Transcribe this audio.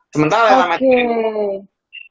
sementara yang amat